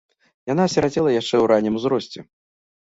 Яна асірацела яшчэ ў раннім узросце.